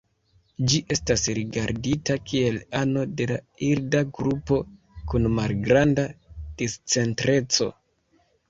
Ĝi estas rigardita kiel ano de la Hilda grupo kun malgranda discentreco.